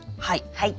はい。